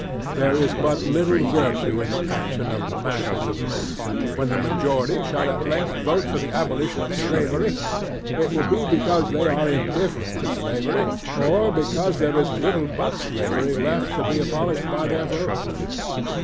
There is but little virtue in the action of masses of men. When the majority shall at length vote for the abolition of slavery, it will be because they are indifferent to slavery, or because there is but little slavery left to be abolished by their vote.